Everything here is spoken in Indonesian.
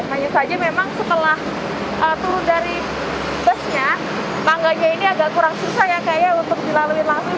hanya saja memang setelah turun dari busnya tangganya ini agak kurang susah ya kayaknya untuk dilalui langsung